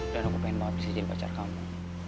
dan aku pengen banget bisa jadi pacar kamu